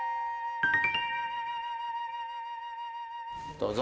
どうぞ。